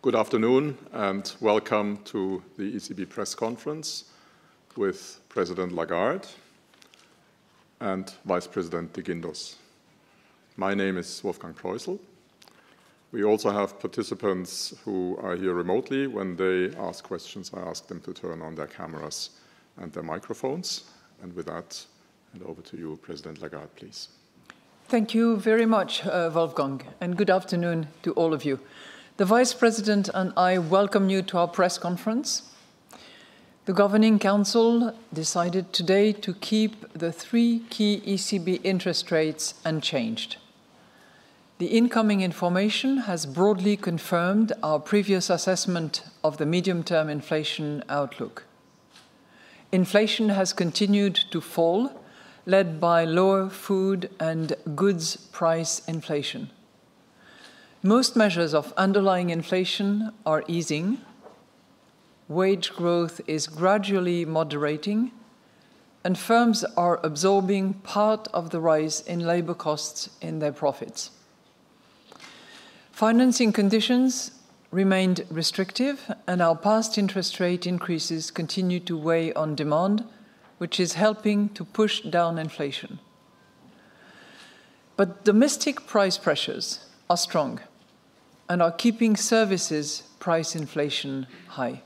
Good afternoon and welcome to the ECB press conference with President Lagarde and Vice President de Guindos. My name is Wolfgang Proissl. We also have participants who are here remotely. When they ask questions, I ask them to turn on their cameras and their microphones. With that, hand over to you, President Lagarde, please. Thank you very much, Wolfgang, and good afternoon to all of you. The Vice President and I welcome you to our press conference. The Governing Council decided today to keep the three key ECB interest rates unchanged. The incoming information has broadly confirmed our previous assessment of the medium-term inflation outlook. Inflation has continued to fall, led by lower food and goods price inflation. Most measures of underlying inflation are easing. Wage growth is gradually moderating, and firms are absorbing part of the rise in labor costs in their profits. Financing conditions remained restrictive, and our past interest rate increases continue to weigh on demand, which is helping to push down inflation. But domestic price pressures are strong and are keeping services price inflation high.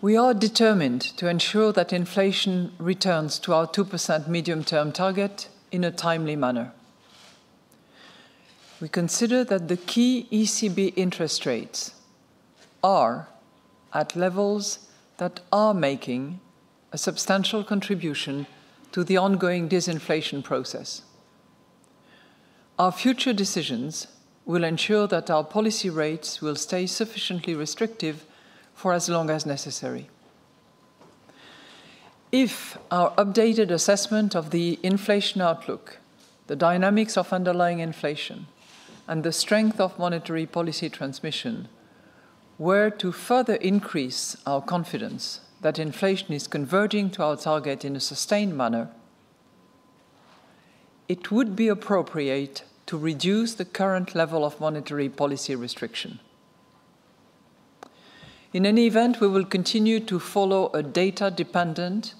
We are determined to ensure that inflation returns to our 2% medium-term target in a timely manner. We consider that the key ECB interest rates are at levels that are making a substantial contribution to the ongoing disinflation process. Our future decisions will ensure that our policy rates will stay sufficiently restrictive for as long as necessary. If our updated assessment of the inflation outlook, the dynamics of underlying inflation, and the strength of monetary policy transmission were to further increase our confidence that inflation is converting to our target in a sustained manner, it would be appropriate to reduce the current level of monetary policy restriction. In any event, we will continue to follow a data-dependent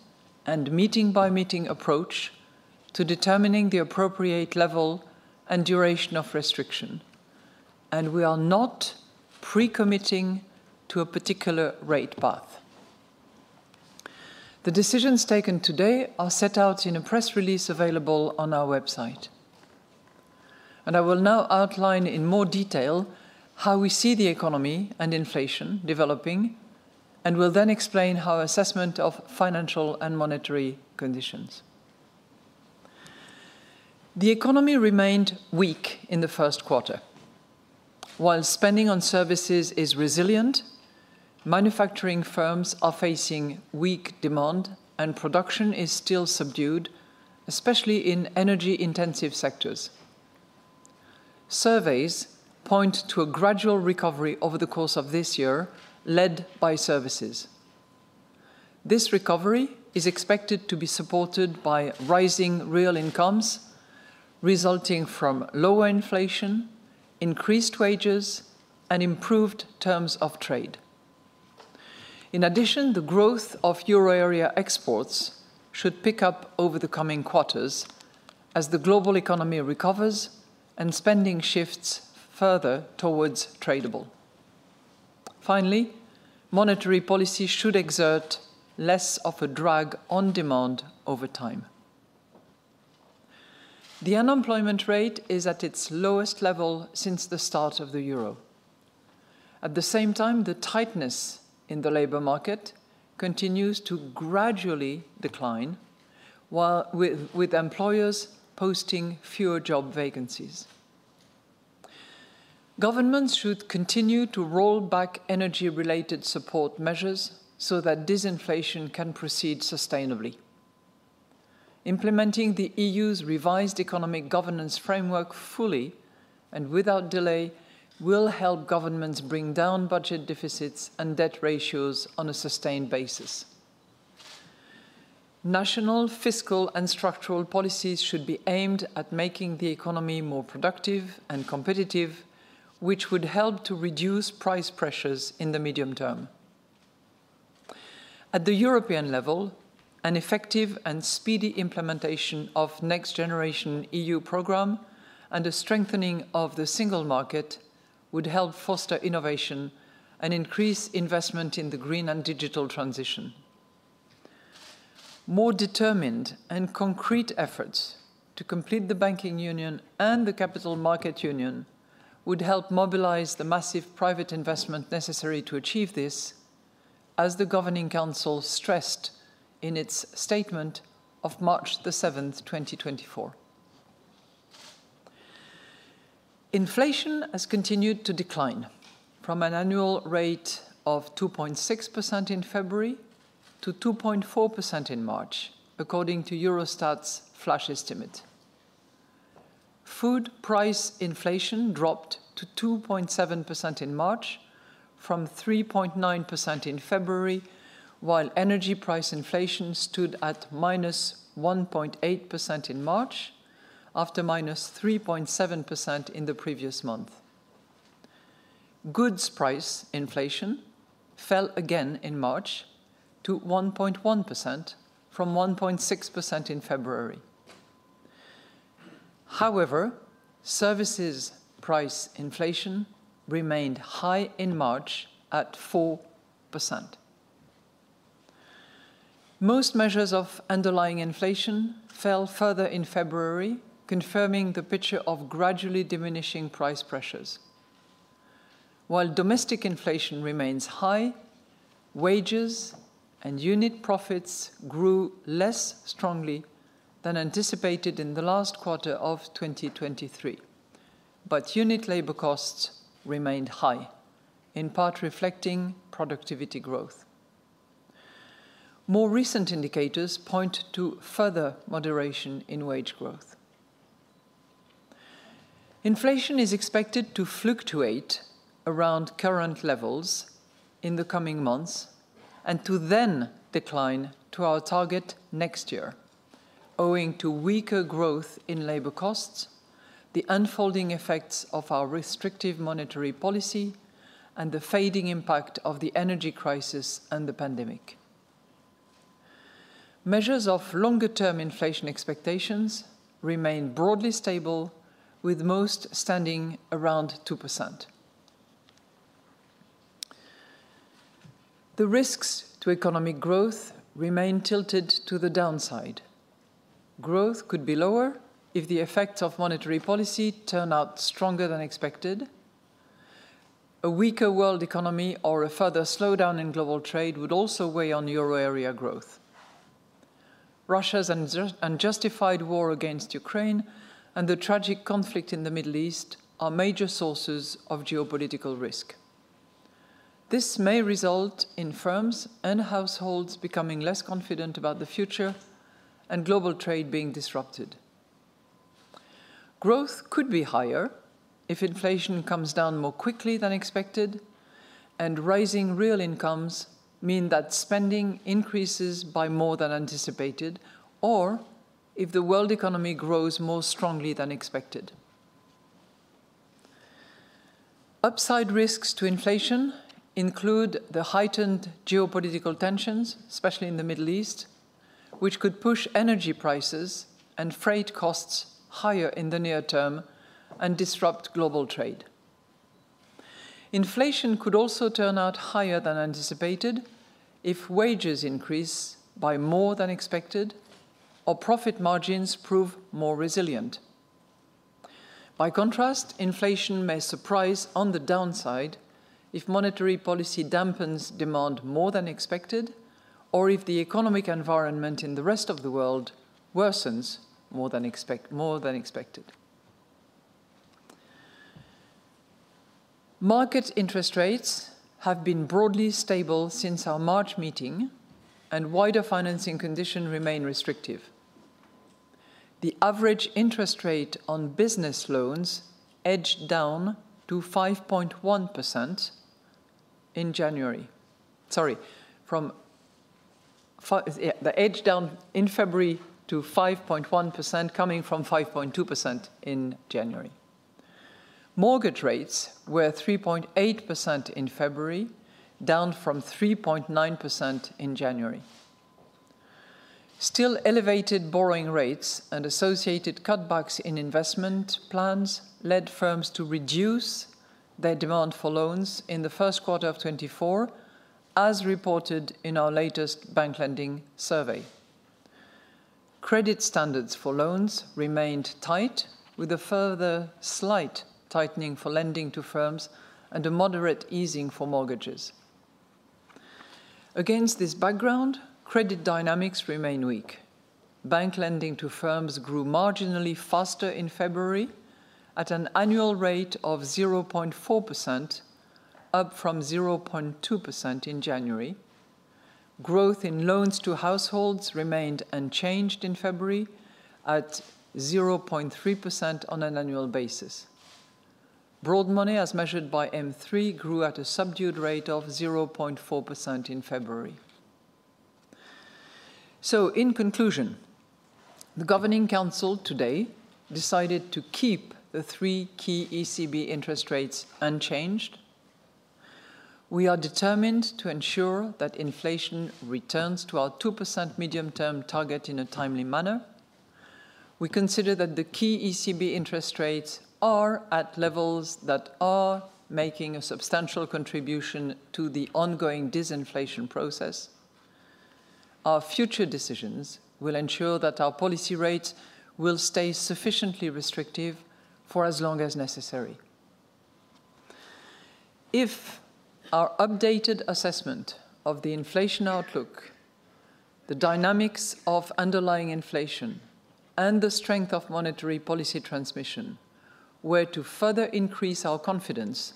and meeting-by-meeting approach to determining the appropriate level and duration of restriction. We are not pre-committing to a particular rate path. The decisions taken today are set out in a press release available on our website. I will now outline in more detail how we see the economy and inflation developing, and will then explain our assessment of financial and monetary conditions. The economy remained weak in the first quarter, while spending on services is resilient. Manufacturing firms are facing weak demand and production is still subdued, especially in energy-intensive sectors. Surveys point to a gradual recovery over the course of this year, led by services. This recovery is expected to be supported by rising real incomes resulting from lower inflation, increased wages, and improved terms of trade. In addition, the growth of euro area exports should pick up over the coming quarters as the global economy recovers and spending shifts further towards tradables. Finally, monetary policy should exert less of a drag on demand over time. The unemployment rate is at its lowest level since the start of the euro. At the same time, the tightness in the labor market continues to gradually decline, while, with employers posting fewer job vacancies. Governments should continue to roll back energy-related support measures so that disinflation can proceed sustainably. Implementing the EU's revised economic governance framework fully and without delay will help governments bring down budget deficits and debt ratios on a sustained basis. National fiscal and structural policies should be aimed at making the economy more productive and competitive, which would help to reduce price pressures in the medium term. At the European level, an effective and speedy implementation of the Next Generation EU program and the strengthening of the single market would help foster innovation and increase investment in the green and digital transition. More determined and concrete efforts to complete the Banking Union and the Capital Markets Union would help mobilize the massive private investment necessary to achieve this, as the Governing Council stressed in its statement of March the 7th, 2024. Inflation has continued to decline from an annual rate of 2.6% in February to 2.4% in March, according to Eurostat's flash estimate. Food price inflation dropped to 2.7% in March from 3.9% in February, while energy price inflation stood at -1.8% in March after -3.7% in the previous month. Goods price inflation fell again in March to 1.1% from 1.6% in February. However, services price inflation remained high in March at 4%. Most measures of underlying inflation fell further in February, confirming the picture of gradually diminishing price pressures. While domestic inflation remains high, wages and unit profits grew less strongly than anticipated in the last quarter of 2023. Unit labor costs remained high, in part reflecting productivity growth. More recent indicators point to further moderation in wage growth. Inflation is expected to fluctuate around current levels in the coming months and to then decline to our target next year, owing to weaker growth in labor costs, the unfolding effects of our restrictive monetary policy, and the fading impact of the energy crisis and the pandemic. Measures of longer-term inflation expectations remain broadly stable, with most standing around 2%. The risks to economic growth remain tilted to the downside. Growth could be lower if the effects of monetary policy turn out stronger than expected. A weaker world economy or a further slowdown in global trade would also weigh on euro area growth. Russia's unjustified war against Ukraine and the tragic conflict in the Middle East are major sources of geopolitical risk. This may result in firms and households becoming less confident about the future and global trade being disrupted. Growth could be higher if inflation comes down more quickly than expected and rising real incomes mean that spending increases by more than anticipated, or if the world economy grows more strongly than expected. Upside risks to inflation include the heightened geopolitical tensions, especially in the Middle East, which could push energy prices and freight costs higher in the near term and disrupt global trade. Inflation could also turn out higher than anticipated if wages increase by more than expected or profit margins prove more resilient. By contrast, inflation may surprise on the downside if monetary policy dampens demand more than expected or if the economic environment in the rest of the world worsens more than expected, more than expected. Market interest rates have been broadly stable since our March meeting, and wider financing conditions remain restrictive. The average interest rate on business loans edged down in February to 5.1%, coming from 5.2% in January. Mortgage rates were 3.8% in February, down from 3.9% in January. Still elevated borrowing rates and associated cutbacks in investment plans led firms to reduce their demand for loans in the first quarter of 2024, as reported in our latest bank lending survey. Credit standards for loans remained tight, with a further slight tightening for lending to firms and a moderate easing for mortgages. Against this background, credit dynamics remain weak. Bank lending to firms grew marginally faster in February at an annual rate of 0.4%, up from 0.2% in January. Growth in loans to households remained unchanged in February at 0.3% on an annual basis. Broad money, as measured by M3, grew at a subdued rate of 0.4% in February. So, in conclusion, the Governing Council today decided to keep the three key ECB interest rates unchanged. We are determined to ensure that inflation returns to our 2% medium-term target in a timely manner. We consider that the key ECB interest rates are at levels that are making a substantial contribution to the ongoing disinflation process. Our future decisions will ensure that our policy rates will stay sufficiently restrictive for as long as necessary. If our updated assessment of the inflation outlook, the dynamics of underlying inflation, and the strength of monetary policy transmission were to further increase our confidence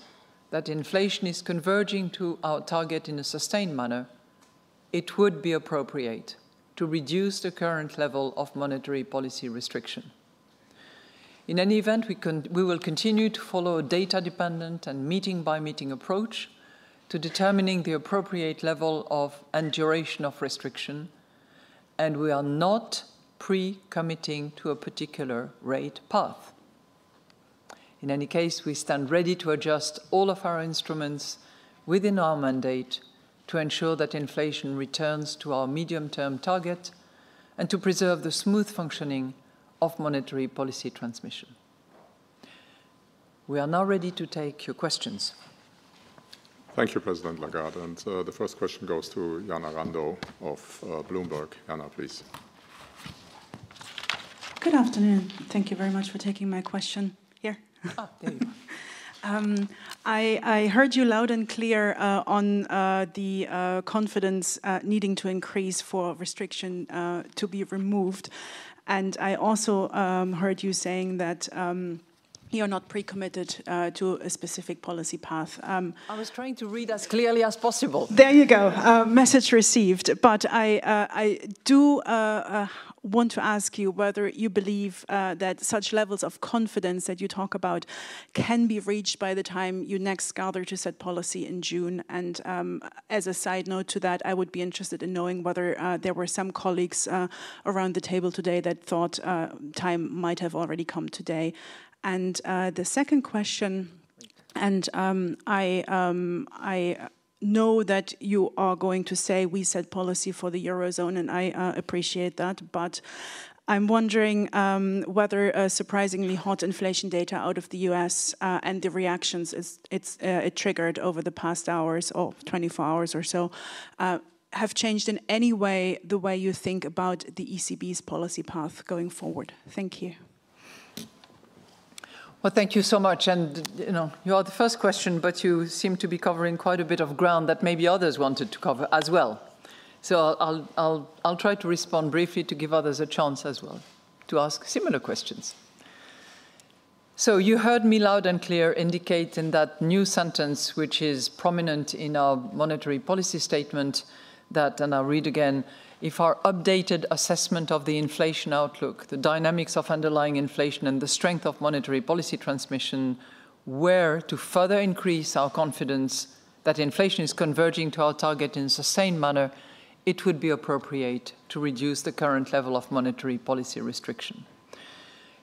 that inflation is converging to our target in a sustained manner, it would be appropriate to reduce the current level of monetary policy restriction. In any event, we will continue to follow a data-dependent and meeting-by-meeting approach to determining the appropriate level of and duration of restriction. And we are not pre-committing to a particular rate path. In any case, we stand ready to adjust all of our instruments within our mandate to ensure that inflation returns to our medium-term target and to preserve the smooth functioning of monetary policy transmission. We are now ready to take your questions. Thank you, President Lagarde. And the first question goes to Jana Randow of Bloomberg. Yana, please. Good afternoon. Thank you very much for taking my question here. There you are. I heard you loud and clear on the confidence needing to increase for restriction to be removed. And I also heard you saying that you are not pre-committed to a specific policy path. I was trying to read as clearly as possible. There you go. Message received. But I do want to ask you whether you believe that such levels of confidence that you talk about can be reached by the time you next gather to set policy in June. And as a side note to that, I would be interested in knowing whether there were some colleagues around the table today that thought time might have already come today. And the second question. And I know that you are going to say we set policy for the eurozone, and I appreciate that. But I'm wondering whether surprisingly hot inflation data out of the U.S. and the reactions it triggered over the past hours or 24 hours or so have changed in any way the way you think about the ECB's policy path going forward. Thank you. Well, thank you so much. You know, you are the first question, but you seem to be covering quite a bit of ground that maybe others wanted to cover as well. I'll try to respond briefly to give others a chance as well to ask similar questions. You heard me loud and clear indicate in that new sentence, which is prominent in our monetary policy statement that and I'll read again, if our updated assessment of the inflation outlook, the dynamics of underlying inflation, and the strength of monetary policy transmission were to further increase our confidence that inflation is converging to our target in a sustained manner, it would be appropriate to reduce the current level of monetary policy restriction.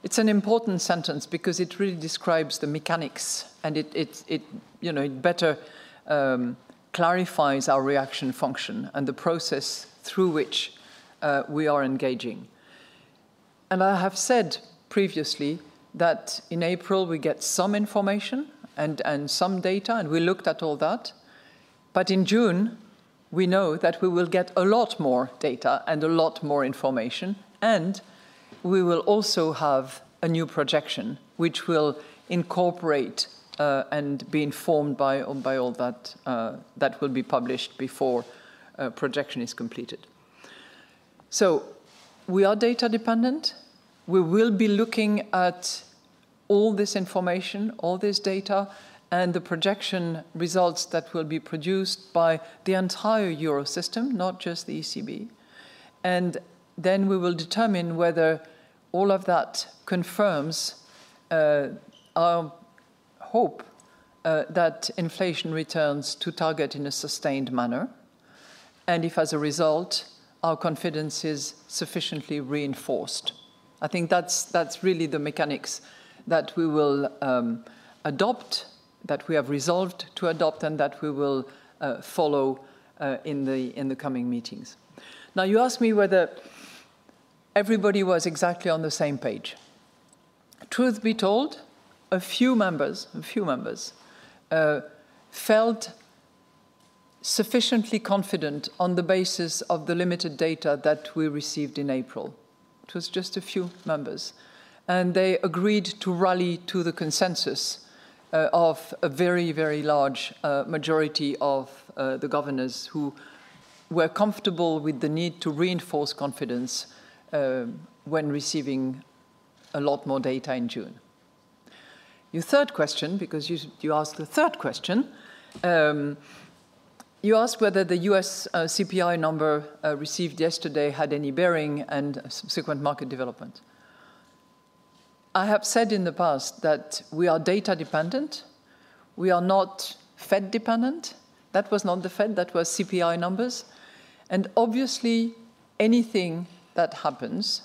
It's an important sentence because it really describes the mechanics and it, you know, it better clarifies our reaction function and the process through which we are engaging. I have said previously that in April we get some information and some data and we looked at all that. In June we know that we will get a lot more data and a lot more information. We will also have a new projection which will incorporate and be informed by all that will be published before projection is completed. We are data dependent. We will be looking at all this information, all this data and the projection results that will be produced by the entire Eurosystem, not just the ECB. Then we will determine whether all of that confirms our hope that inflation returns to target in a sustained manner and if, as a result, our confidence is sufficiently reinforced. I think that's really the mechanics that we will adopt, that we have resolved to adopt and that we will follow in the coming meetings. Now, you asked me whether everybody was exactly on the same page. Truth be told, a few members felt sufficiently confident on the basis of the limited data that we received in April. It was just a few members, and they agreed to rally to the consensus of a very, very large majority of the governors who were comfortable with the need to reinforce confidence when receiving a lot more data in June. Your third question, because you asked the third question. You asked whether the U.S. CPI number received yesterday had any bearing on subsequent market development. I have said in the past that we are data dependent. We are not Fed dependent. That was not the Fed. That was CPI numbers. And obviously, anything that happens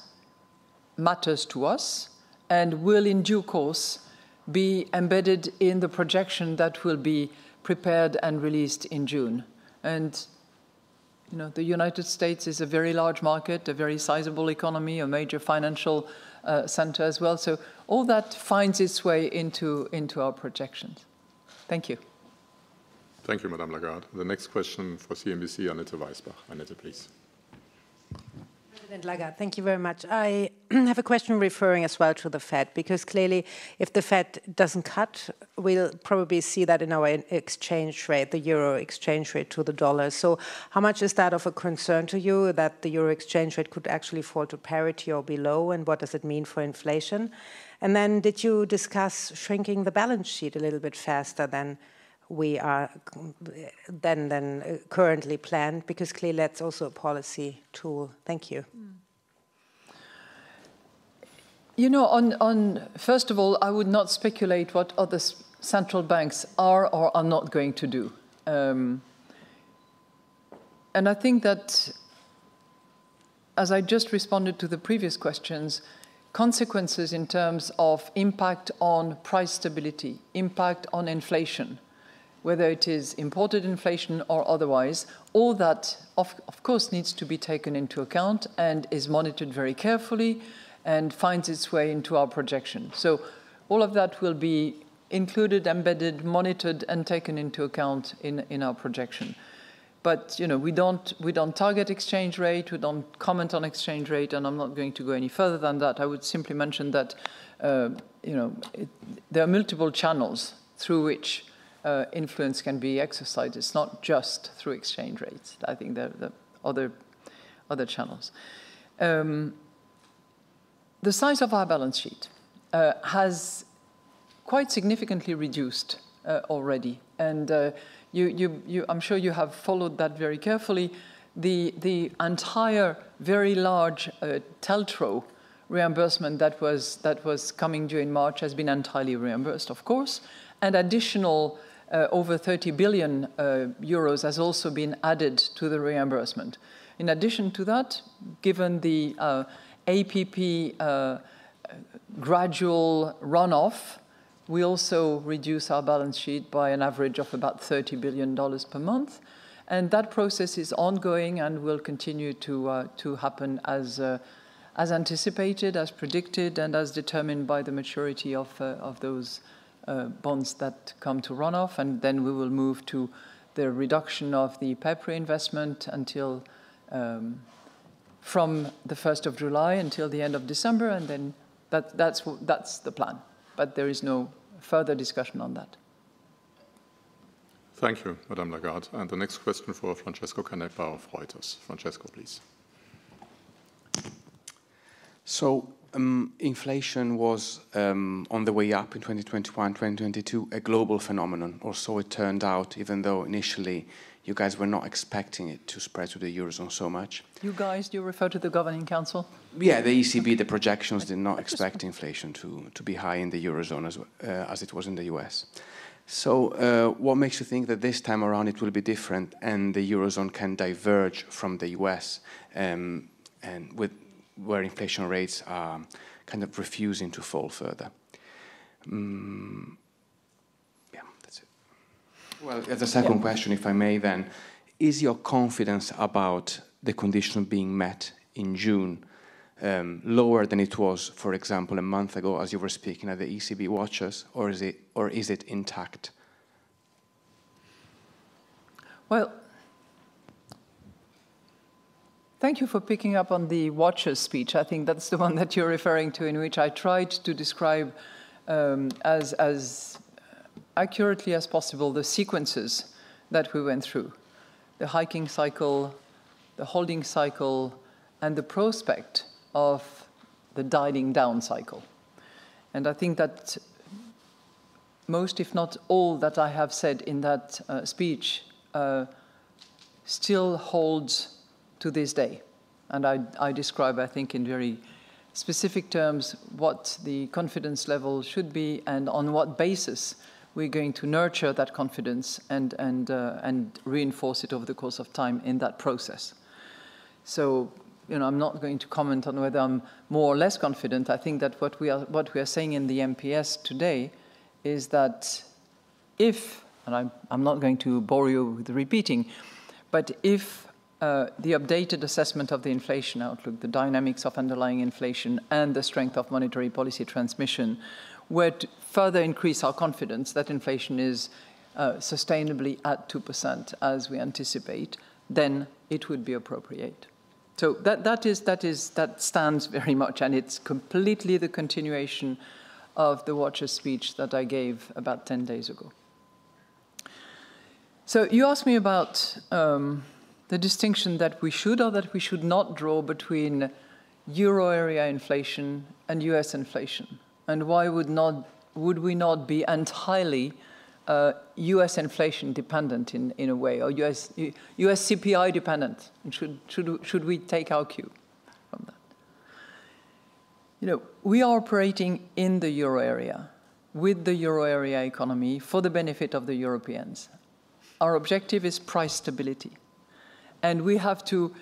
matters to us and will, in due course, be embedded in the projection that will be prepared and released in June. And, you know, the United States is a very large market, a very sizable economy, a major financial center as well. So all that finds its way into our projections. Thank you. Thank you, Madam Lagarde. The next question for CNBC, Annette Weisbach. Annette, please. President Lagarde, thank you very much. I have a question referring as well to the Fed, because clearly if the Fed doesn't cut, we'll probably see that in our exchange rate, the euro exchange rate to the US dollar. So how much is that of a concern to you that the euro exchange rate could actually fall to parity or below? And what does it mean for inflation? Then did you discuss shrinking the balance sheet a little bit faster than we are then than currently planned? Because clearly that's also a policy tool. Thank you. You know, on first of all, I would not speculate what other central banks are or are not going to do. And I think that. As I just responded to the previous questions, consequences in terms of impact on price stability, impact on inflation, whether it is imported inflation or otherwise, all that, of course, needs to be taken into account and is monitored very carefully and finds its way into our projection. So all of that will be included, embedded, monitored and taken into account in our projection. But, you know, we don't target exchange rate. We don't comment on exchange rate. And I'm not going to go any further than that. I would simply mention that, you know, there are multiple channels through which influence can be exercised. It's not just through exchange rates. I think there are other channels. The size of our balance sheet has quite significantly reduced already. And you, I'm sure you have followed that very carefully. The entire very large TLTRO reimbursement that was coming due in March has been entirely reimbursed, of course. And additional over 30 billion euros has also been added to the reimbursement. In addition to that, given the APP gradual runoff, we also reduce our balance sheet by an average of about EUR 30 billion per month. And that process is ongoing and will continue to happen as anticipated, as predicted and as determined by the maturity of those bonds that come to runoff. And then we will move to the reduction of the PEPP reinvestment until from the 1st of July until the end of December. And then that's that's the plan. But there is no further discussion on that. Thank you, Madam Lagarde. And the next question for Francesco Canepa of Reuters. Francesco, please. So inflation was on the way up in 2021, 2022, a global phenomenon. Or so it turned out, even though initially you guys were not expecting it to spread to the eurozone so much. You guys, you refer to the Governing Council? Yeah, the ECB. The projections did not expect inflation to be high in the eurozone as it was in the U.S. So what makes you think that this time around it will be different and the eurozone can diverge from the U.S. and with where inflation rates are kind of refusing to fall further? Yeah, that's it. Well, as a second question, if I may then, is your confidence about the condition being met in June lower than it was, for example, a month ago as you were speaking at the ECB Watchers? Or is it or is it intact? Well. Thank you for picking up on the Watchers speech. I think that's the one that you're referring to, in which I tried to describe as accurately as possible the sequences that we went through, the hiking cycle, the holding cycle, and the prospect of the diving down cycle. And I think that. Most, if not all, that I have said in that speech. Still holds to this day. I describe, I think, in very specific terms what the confidence level should be and on what basis we're going to nurture that confidence and reinforce it over the course of time in that process. So, you know, I'm not going to comment on whether I'm more or less confident. I think that what we are saying in the MPS today is that if and I'm not going to bore you with repeating, but if the updated assessment of the inflation outlook, the dynamics of underlying inflation and the strength of monetary policy transmission would further increase our confidence that inflation is sustainably at 2% as we anticipate, then it would be appropriate. So that stands very much. And it's completely the continuation of the Watchers speech that I gave about 10 days ago. So you asked me about the distinction that we should or that we should not draw between euro area inflation and US inflation. And why would we not be entirely US inflation dependent in a way or US CPI dependent? And should we take our cue from that? You know, we are operating in the euro area with the euro area economy for the benefit of the Europeans. Our objective is price stability and we have to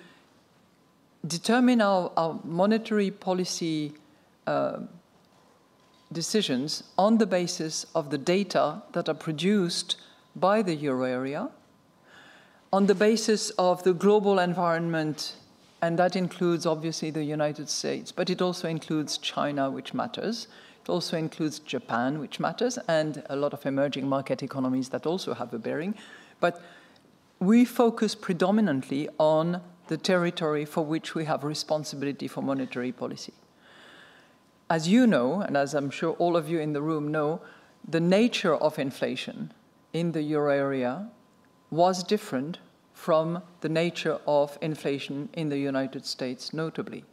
determine our monetary policy decisions on the basis of the data that are produced by the euro area, on the basis of the global environment. And that includes obviously the United States, but it also includes China, which matters. It also includes Japan, which matters, and a lot of emerging market economies that also have a bearing. But we focus predominantly on the territory for which we have responsibility for monetary policy. As you know, and as I'm sure all of you in the room know, the nature of inflation in the euro area was different from the nature of inflation in the United States, notably.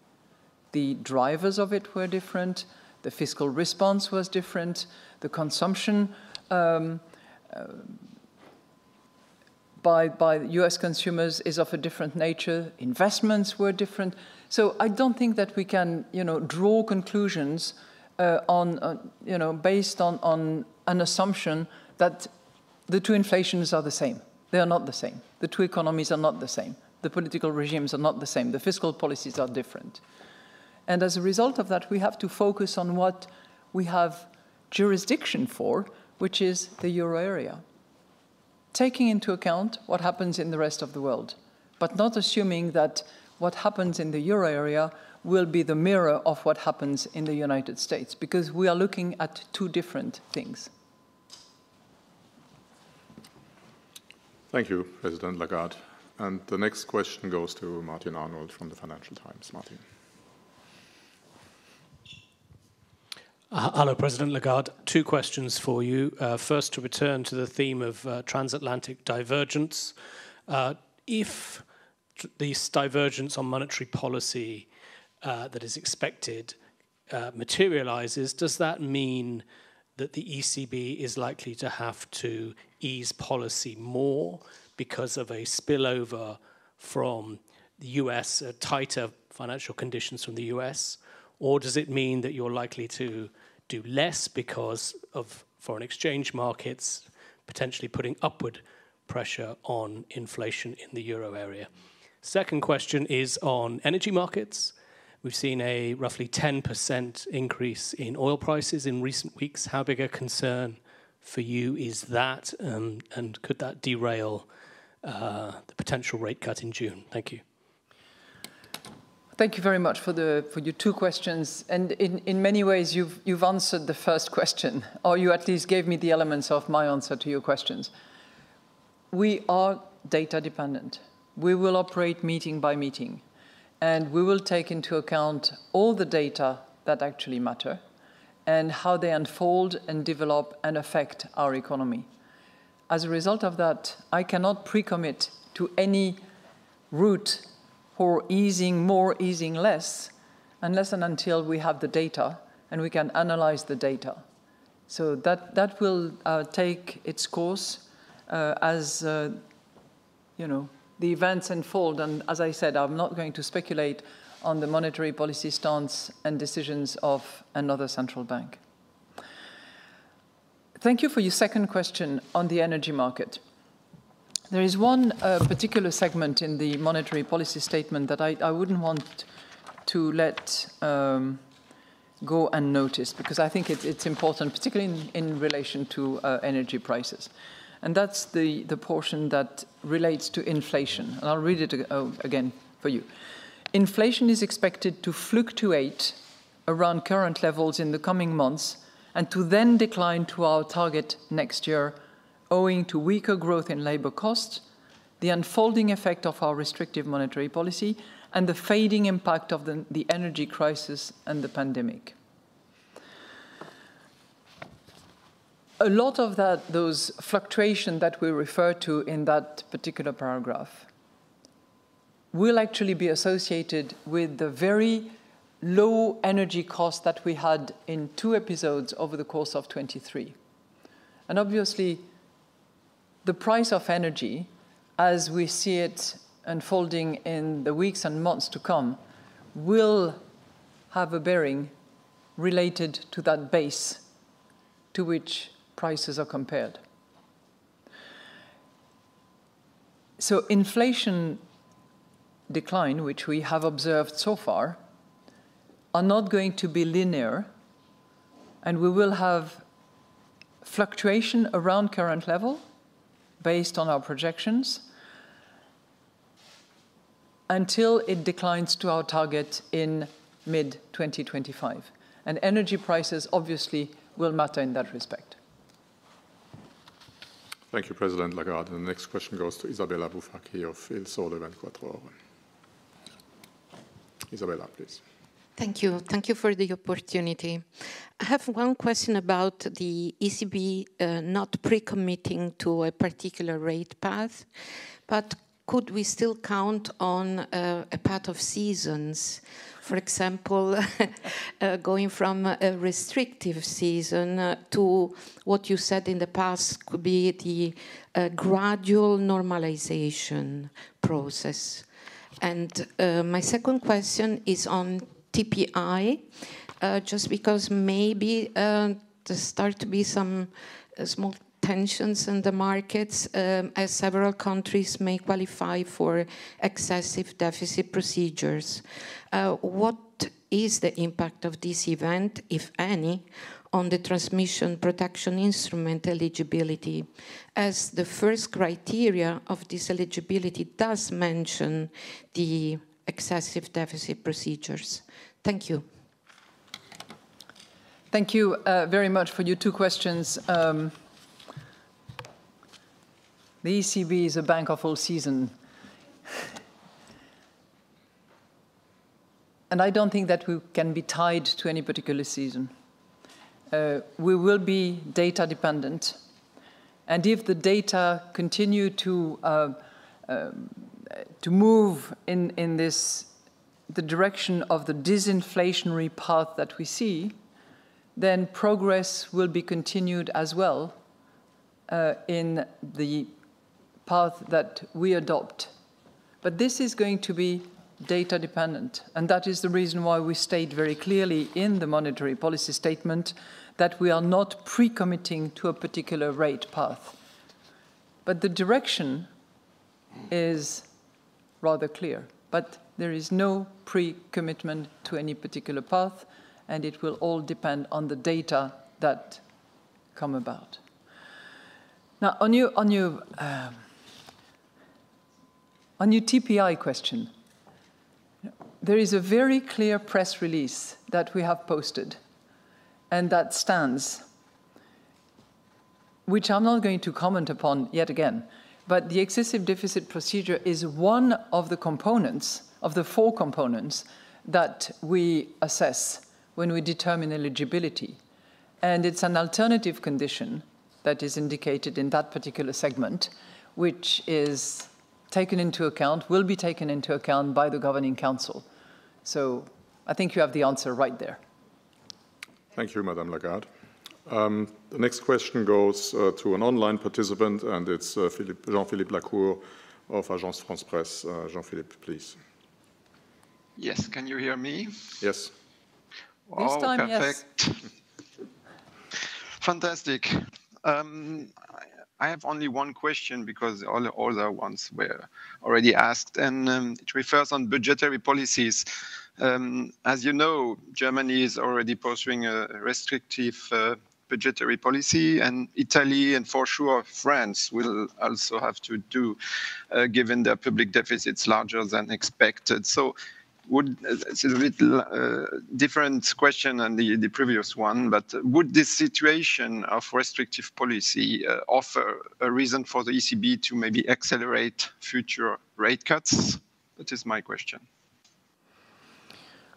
The drivers of it were different. The fiscal response was different. The consumption by the U.S. consumers is of a different nature. Investments were different. So I don't think that we can, you know, draw conclusions on, you know, based on an assumption that the two inflations are the same. They are not the same. The two economies are not the same. The political regimes are not the same. The fiscal policies are different. And as a result of that, we have to focus on what we have jurisdiction for, which is the euro area. Taking into account what happens in the rest of the world, but not assuming that what happens in the euro area will be the mirror of what happens in the United States, because we are looking at two different things. Thank you, President Lagarde. And the next question goes to Martin Arnold from the Financial Times. Martin. Hello, President Lagarde. Two questions for you. First, to return to the theme of transatlantic divergence. If this divergence on monetary policy that is expected materializes, does that mean that the ECB is likely to have to ease policy more because of a spillover from the US, tighter financial conditions from the US? Or does it mean that you're likely to do less because of foreign exchange markets potentially putting upward pressure on inflation in the euro area? Second question is on energy markets. We've seen a roughly 10% increase in oil prices in recent weeks. How big a concern for you is that? And could that derail the potential rate cut in June? Thank you. Thank you very much for your two questions. In many ways, you've answered the first question, or you at least gave me the elements of my answer to your questions. We are data dependent. We will operate meeting by meeting, and we will take into account all the data that actually matter and how they unfold and develop and affect our economy. As a result of that, I cannot precommit to any route for easing more, easing less, unless and until we have the data and we can analyze the data. So that will take its course, as you know, the events unfold. As I said, I'm not going to speculate on the monetary policy stance and decisions of another central bank. Thank you for your second question on the energy market. There is one particular segment in the monetary policy statement that I wouldn't want to let go unnoticed, because I think it's important, particularly in relation to energy prices. That's the portion that relates to inflation. I'll read it again for you. Inflation is expected to fluctuate around current levels in the coming months and to then decline to our target next year, owing to weaker growth in labor costs, the unfolding effect of our restrictive monetary policy, and the fading impact of the energy crisis and the pandemic. A lot of that, those fluctuations that we refer to in that particular paragraph. will actually be associated with the very low energy costs that we had in two episodes over the course of 2023. And obviously, the price of energy, as we see it unfolding in the weeks and months to come, will have a bearing related to that base to which prices are compared. So inflation decline, which we have observed so far, is not going to be linear. And we will have fluctuation around current level based on our projections until it declines to our target in mid-2025. And energy prices obviously will matter in that respect. Thank you, President Lagarde. And the next question goes to Isabella Bufacchi of Il Sole 24 Ore. Isabella, please. Thank you. Thank you for the opportunity. I have one question about the ECB not precommitting to a particular rate path, but could we still count on a path of seasons, for example, going from a restrictive season to what you said in the past could be the gradual normalization process? And my second question is on TPI, just because maybe there start to be some small tensions in the markets as several countries may qualify for excessive deficit procedures. What is the impact of this event, if any, on the transmission protection instrument eligibility? As the first criteria of this eligibility does mention the excessive deficit procedures. Thank you. Thank you very much for your two questions. The ECB is a bank of all seasons. And I don't think that we can be tied to any particular season. We will be data dependent. And if the data continue to. To move in this direction of the disinflationary path that we see, then progress will be continued as well. In the path that we adopt. But this is going to be data dependent. And that is the reason why we state very clearly in the monetary policy statement that we are not precommitting to a particular rate path. But the direction is rather clear, but there is no precommitment to any particular path, and it will all depend on the data that come about. Now, on your TPI question. There is a very clear press release that we have posted and that stands. Which I'm not going to comment upon yet again, but the excessive deficit procedure is one of the components of the four components that we assess when we determine eligibility. It's an alternative condition that is indicated in that particular segment, which is taken into account, will be taken into account by the Governing Council. I think you have the answer right there. Thank you, Madame Lagarde. The next question goes to an online participant, and it's Jean-Philippe Lacour of Agence France-Presse. Jean-Philippe, please. Yes. Can you hear me? Yes. This time, yes. Fantastic. I have only one question because all the other ones were already asked and it refers on budgetary policies. As you know, Germany is already pursuing a restrictive budgetary policy, and Italy and for sure France will also have to do, given their public deficits larger than expected. Would it be a different question than the previous one? But would this situation of restrictive policy offer a reason for the ECB to maybe accelerate future rate cuts? That is my question.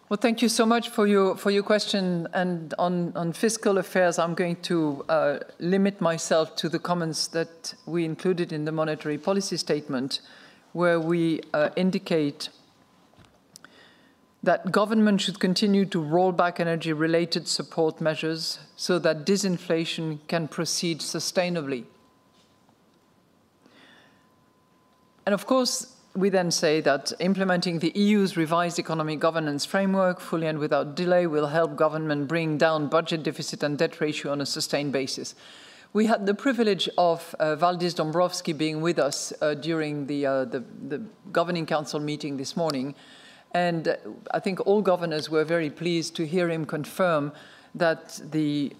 Well, thank you so much for your question. And on fiscal affairs, I'm going to limit myself to the comments that we included in the monetary policy statement where we indicate that government should continue to roll back energy-related support measures so that disinflation can proceed sustainably. And of course, we then say that implementing the EU's revised economic governance framework fully and without delay will help government bring down budget deficit and debt ratio on a sustained basis. We had the privilege of Valdis Dombrovskis being with us during the Governing Council meeting this morning, and I think all governors were very pleased to hear him confirm that the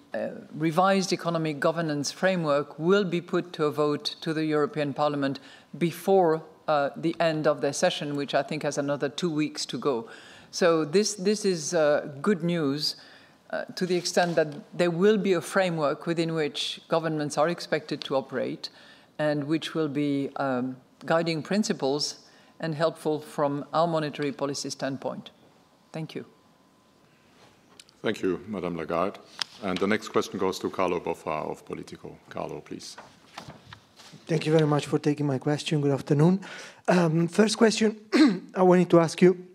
revised economic governance framework will be put to a vote to the European Parliament before the end of their session, which I think has another two weeks to go. So this is good news to the extent that there will be a framework within which governments are expected to operate and which will be guiding principles and helpful from our monetary policy standpoint. Thank you. Thank you, Madame Lagarde. And the next question goes to Carlo Martuscelli of Politico. Carlo, please. Thank you very much for taking my question. Good afternoon. First question I wanted to ask you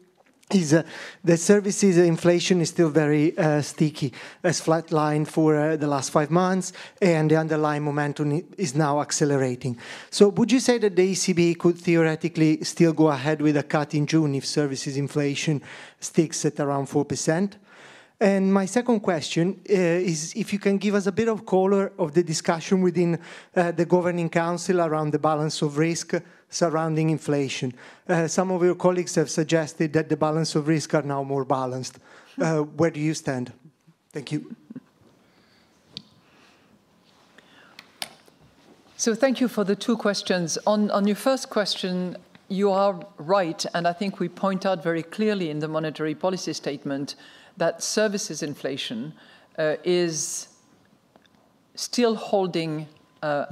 is that services inflation is still very sticky as flat line for the last five months and the underlying momentum is now accelerating. So would you say that the ECB could theoretically still go ahead with a cut in June if services inflation sticks at around 4%? And my second question is if you can give us a bit of color of the discussion within the Governing Council around the balance of risk surrounding inflation. Some of your colleagues have suggested that the balance of risk are now more balanced. Where do you stand? Thank you. So thank you for the two questions. On your first question, you are right. And I think we point out very clearly in the monetary policy statement that services inflation is still holding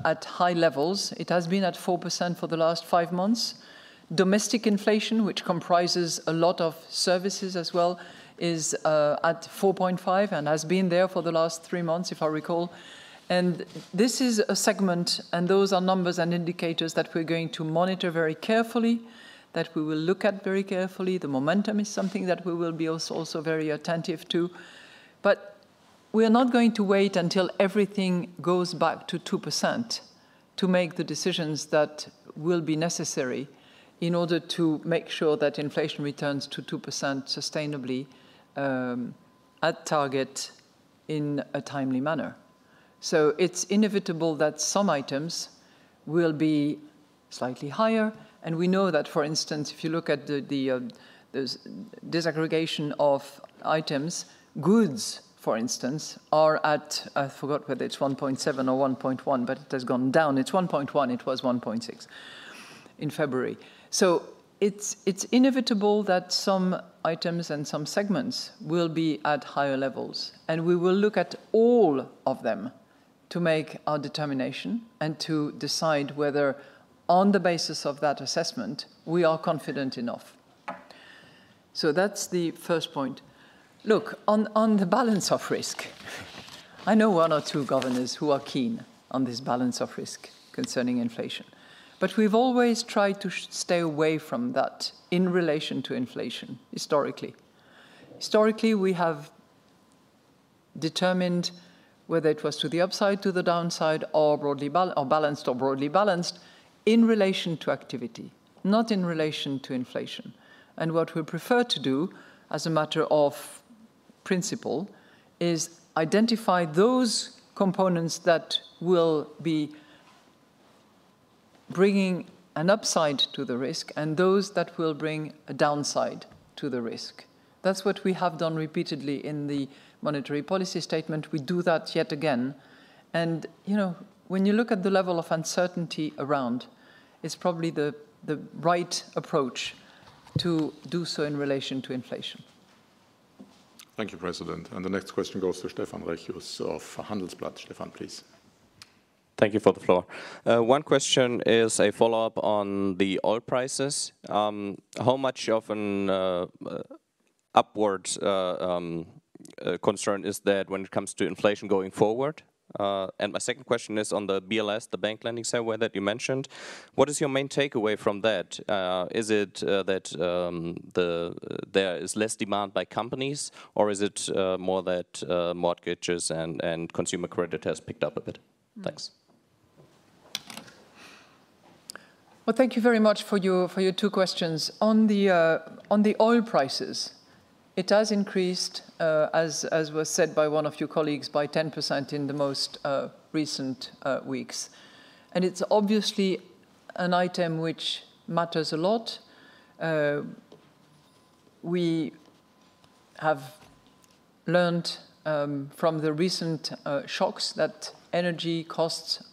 at high levels. It has been at 4% for the last 5 months. Domestic inflation, which comprises a lot of services as well, is at 4.5% and has been there for the last 3 months, if I recall. And this is a segment and those are numbers and indicators that we're going to monitor very carefully, that we will look at very carefully. The momentum is something that we will be also very attentive to, but we are not going to wait until everything goes back to 2% to make the decisions that will be necessary in order to make sure that inflation returns to 2% sustainably, at target in a timely manner. So it's inevitable that some items will be slightly higher. And we know that, for instance, if you look at the disaggregation of items, goods, for instance, are at—I forgot whether it's 1.7 or 1.1, but it has gone down. It's 1.1. It was 1.6 in February. So it's inevitable that some items and some segments will be at higher levels, and we will look at all of them to make our determination and to decide whether on the basis of that assessment we are confident enough. So that's the first point. Look on the balance of risk. I know one or two governors who are keen on this balance of risk concerning inflation, but we've always tried to stay away from that in relation to inflation. Historically, historically we have. Determined whether it was to the upside, to the downside, or broadly balanced or broadly balanced in relation to activity, not in relation to inflation. And what we prefer to do as a matter of principle is identify those components that will be bringing an upside to the risk and those that will bring a downside to the risk. That's what we have done repeatedly in the monetary policy statement. We do that yet again. And, you know, when you look at the level of uncertainty around, it's probably the right approach to do so in relation to inflation. Thank you, President. And the next question goes to Stefan Reccius of Handelsblatt. Stefan, please. Thank you for the floor. One question is a follow up on the oil prices. How much of an upward concern is that when it comes to inflation going forward? And my second question is on the BLS, the bank lending survey that you mentioned. What is your main takeaway from that? Is it that there is less demand by companies or is it more that mortgages and consumer credit has picked up a bit? Thanks. Well, thank you very much for your two questions on the oil prices. It has increased, as was said by one of your colleagues, by 10% in the most recent weeks. And it's obviously an item which matters a lot. We. have learned from the recent shocks that energy costs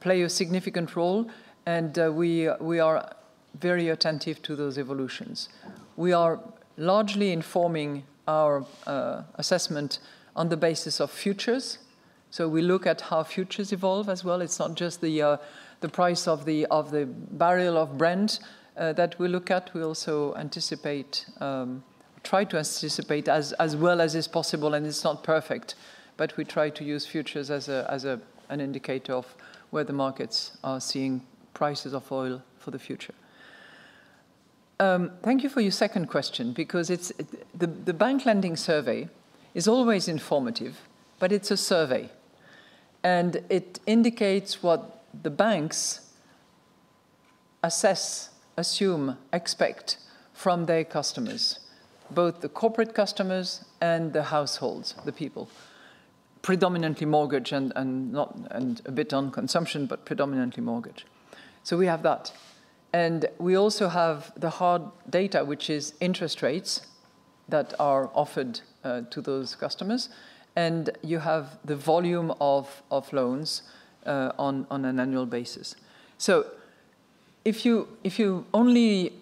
play a significant role, and we are very attentive to those evolutions. We are largely informing our assessment on the basis of futures. So we look at how futures evolve as well. It's not just the price of the barrel of Brent that we look at. We also anticipate, try to anticipate as well as is possible. And it's not perfect, but we try to use futures as an indicator of where the markets are seeing prices of oil for the future. Thank you for your second question, because the Bank Lending Survey is always informative, but it's a survey and it indicates what the banks assess, assume, expect from their customers, both the corporate customers and the households, the people predominantly mortgage and not and a bit on consumption, but predominantly mortgage. So we have that. And we also have the hard data, which is interest rates that are offered to those customers. And you have the volume of loans on an annual basis. So if you only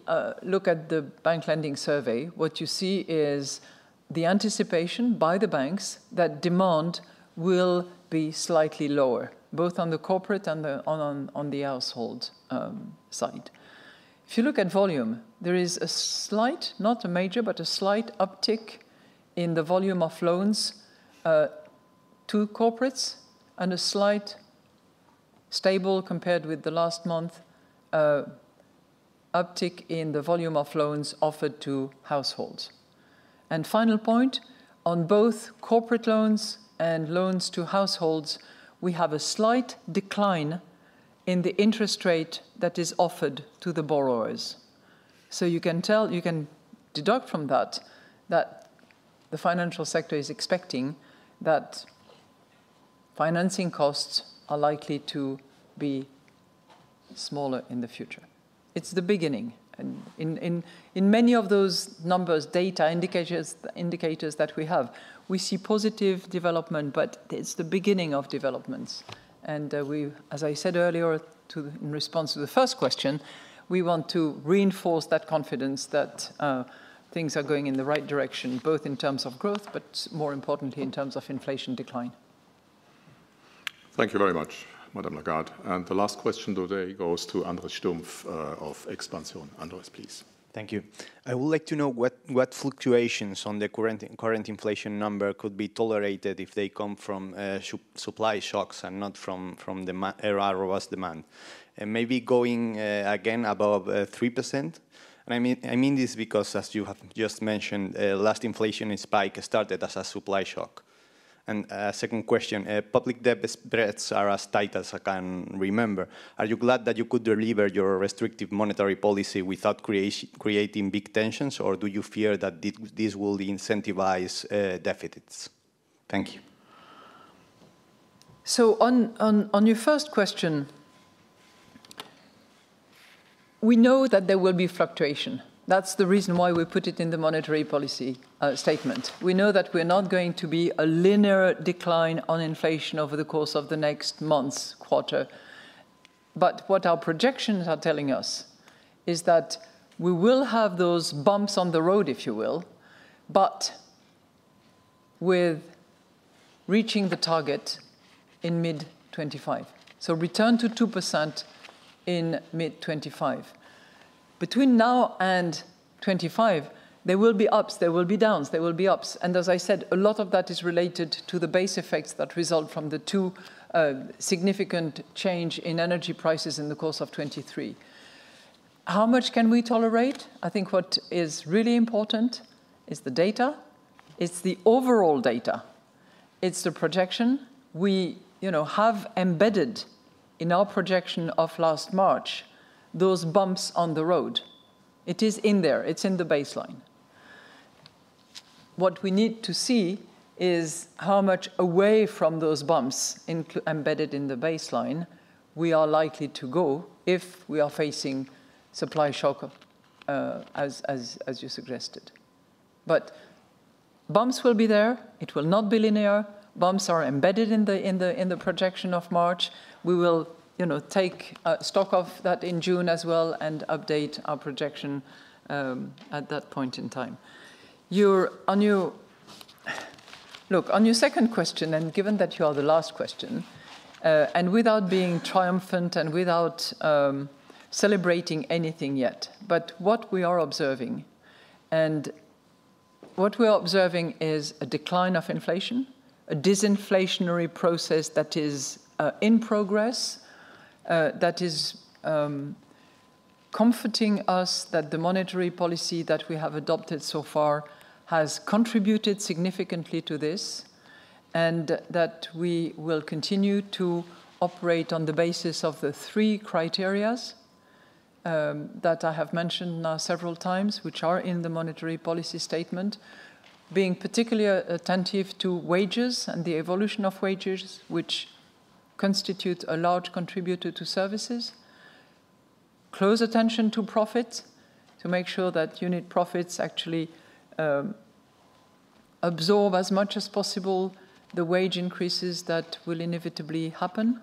look at the Bank Lending Survey, what you see is the anticipation by the banks that demand will be slightly lower, both on the corporate and on the household side. If you look at volume, there is a slight, not a major, but a slight uptick in the volume of loans to corporates and a slight uptick in the volume of loans offered to households, stable compared with the last month. And final point on both corporate loans and loans to households, we have a slight decline in the interest rate that is offered to the borrowers. So you can tell you can deduct from that that the financial sector is expecting that financing costs are likely to be smaller in the future. It's the beginning and in many of those numbers, data indicators that we have, we see positive development, but it's the beginning of developments. And we, as I said earlier, in response to the first question, we want to reinforce that confidence that things are going in the right direction, both in terms of growth, but more importantly, in terms of inflation decline. Thank you very much, Madame Lagarde. And the last question today goes to Andrés Stumpf of Expansión. Andrés, please. Thank you. I would like to know what fluctuations on the current inflation number could be tolerated if they come from supply shocks and not from the robust demand and maybe going again above 3%. And I mean this because, as you have just mentioned, last inflation spike started as a supply shock. And a second question, public debt spreads are as tight as I can remember. Are you glad that you could deliver your restrictive monetary policy without creating big tensions, or do you fear that this will incentivize deficits? Thank you. So on your first question. We know that there will be fluctuation. That's the reason why we put it in the monetary policy statement. We know that we are not going to be a linear decline on inflation over the course of the next month's quarter. But what our projections are telling us is that we will have those bumps on the road, if you will, but with reaching the target in mid-2025. So return to 2% in mid-2025. Between now and 2025, there will be ups, there will be downs, there will be ups. And as I said, a lot of that is related to the base effects that result from the two significant change in energy prices in the course of 2023. How much can we tolerate? I think what is really important is the data. It's the overall data. It's the projection we, you know, have embedded in our projection of last March, those bumps on the road. It is in there. It's in the baseline. What we need to see is how much away from those bumps embedded in the baseline we are likely to go if we are facing supply shock, as you suggested. But bumps will be there. It will not be linear. Bumps are embedded in the projection of March. We will, you know, take stock of that in June as well and update our projection at that point in time. You're on you. Look on your second question. And given that you are the last question and without being triumphant and without celebrating anything yet, but what we are observing and. What we are observing is a decline of inflation, a disinflationary process that is in progress, that is. Comforting us that the monetary policy that we have adopted so far has contributed significantly to this and that we will continue to operate on the basis of the three criteria. That I have mentioned now several times, which are in the monetary policy statement, being particularly attentive to wages and the evolution of wages, which constitute a large contributor to services. Close attention to profits to make sure that unit profits actually. Absorb as much as possible the wage increases that will inevitably happen.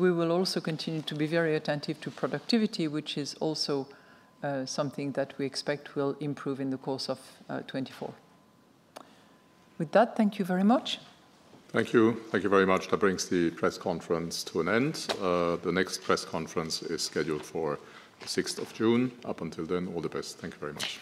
We will also continue to be very attentive to productivity, which is also something that we expect will improve in the course of 2024. With that, thank you very much. Thank you. Thank you very much. That brings the press conference to an end. The next press conference is scheduled for the 6th of June. Up until then, all the best. Thank you very much.